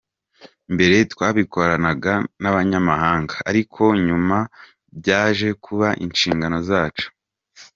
Mbere twabikoranaga n’abanyamahanga ariko nyuma byaje kuba inshingano zacu.